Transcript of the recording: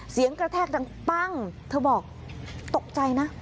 เสียงกระแทกดังปั้งเธอบอกตกใจนะ